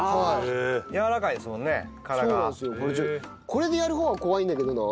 これでやる方が怖いんだけどな。